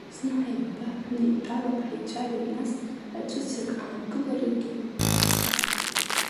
Зны ҳаибабап, ҳнеидтәалап, ҳаицәажәап, нас аҵәыцак аанкыларагьы ҳахьӡап.